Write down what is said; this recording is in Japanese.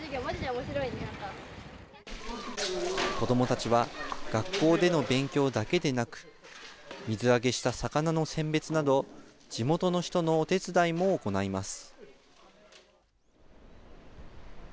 子どもたちは学校での勉強だけでなく、水揚げした魚の選別など、地元の人のお手伝いも行います。